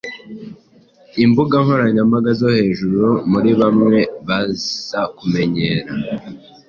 imbuga nkoranyambaga zo hejuru muri Bamwe bazakumenyera